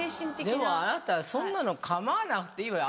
でもあなたそんなの構わなくていいわよ。